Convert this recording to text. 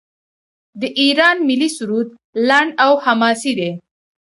د ایران ملي سرود لنډ او حماسي دی.